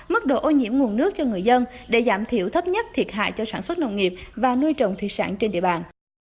mức độ ô nhiễm nguồn nước cho người dân để giảm thiểu thấp nhất thiệt hại cho sản xuất nông nghiệp và nuôi trồng thủy sản trên địa bàn